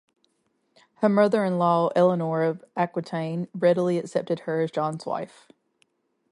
Her mother-in-law, Eleanor of Aquitaine, readily accepted her as John's wife.